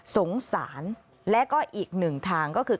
สงสารและก็อีกหนึ่งทางก็คือ